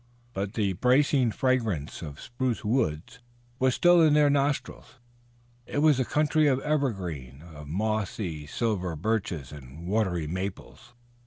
But the bracing fragrance of the spruce woods was still in their nostrils. It was a country of evergreens, of mossy silver birches and watery maples.